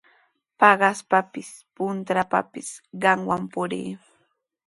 Paqaspapis, puntrawpapis qamwan purii.